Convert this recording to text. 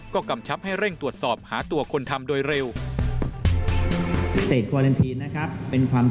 ก็กำชับให้เร่งตรวจสอบหาตัวคนทำโดยเร็ว